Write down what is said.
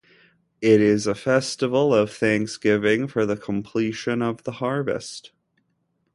It is a festival of thanksgiving for the completion of the harvest.